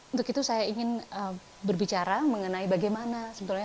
untuk itu saya ingin berbicara mengenai bagaimana sebetulnya